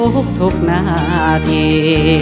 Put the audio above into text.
ทุกทุกนาที